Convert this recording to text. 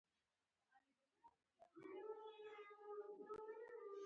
د زراعتي محصولاتو تازه والي د بازار تقاضا زیاتوي.